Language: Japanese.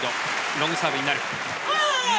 ロングサーブになる。